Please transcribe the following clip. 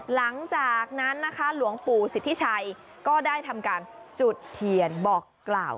หลังจากนั้นนะคะหลวงปู่สิทธิชัยก็ได้ทำการจุดเทียนบอกกล่าว